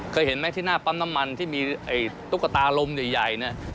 เคยเห็นไหมที่หน้าปั๊มน้ำมันที่มีไอ้ตุ๊กตาลมใหญ่เนี่ย